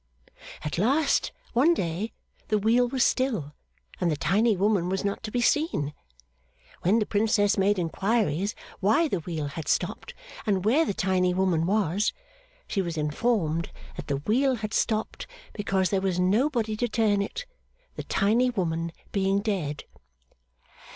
At last one day the wheel was still, and the tiny woman was not to be seen. When the Princess made inquiries why the wheel had stopped, and where the tiny woman was, she was informed that the wheel had stopped because there was nobody to turn it, the tiny woman being dead.